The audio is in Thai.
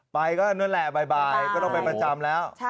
ไปก็นั่นแหละบ่ายก็ต้องไปประจำแล้ว